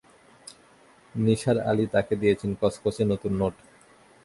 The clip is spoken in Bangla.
নিসার আলি তাকে দিয়েছেন কচকচে নতুন নোট।